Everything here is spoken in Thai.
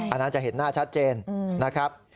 อันนั้นจะเห็นหน้าชัดเจนนะครับ